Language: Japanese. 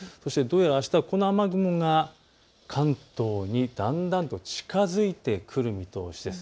あした、この雨雲が関東にだんだんと近づいてくる見通しです。